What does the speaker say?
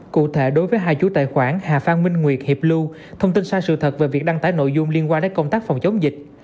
cụ thể đối với hai chủ tài khoản hà phan minh nguyệt hiệp lưu thông tin sai sự thật về việc đăng tải nội dung liên quan đến công tác phòng chống dịch